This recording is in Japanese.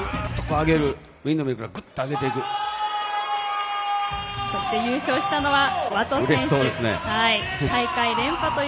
ウインドミルからグッと上げていくという。